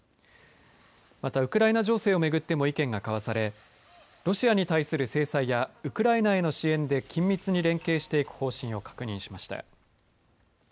また、ウクライナ情勢を巡っても意見が交わされロシアに対する制裁やウクライナへの支援で緊密に連携していく方針を確認しました。